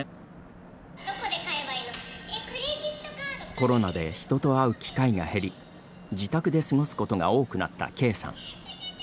コロナで人と会う機会が減り自宅で過ごすことが多くなったＫさん。